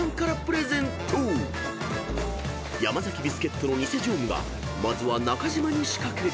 ［ヤマザキビスケットのニセ常務がまずは中島に仕掛ける］